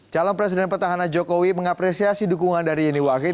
calon presiden petahana jokowi mengapresiasi dukungan dari yeni wahid